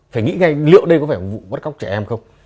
phải nghĩ ngay liệu đây có phải một vụ bắt cóc trẻ em không